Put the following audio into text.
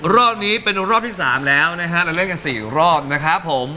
รอบนี้เป็นรอบที่๓แล้วนะฮะเราเล่นกัน๔รอบนะครับผม